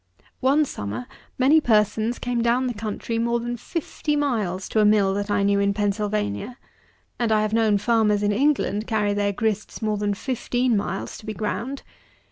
One summer many persons came down the country more than fifty miles to a mill that I knew in Pennsylvania; and I have known farmers in England carry their grists more than fifteen miles to be ground.